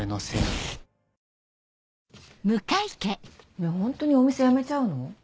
ねぇホントにお店辞めちゃうの？